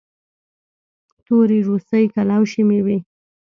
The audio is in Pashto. تورې روسۍ کلوشې مې وې.